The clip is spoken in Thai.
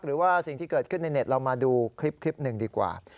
หรือว่าสิ่งที่เกิดขึ้นในเน็ตเรามาดูคลิปหนึ่งดีกว่า